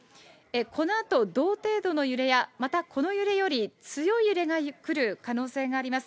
このあと、同程度の揺れや、またこの揺れより強い揺れが来る可能性があります。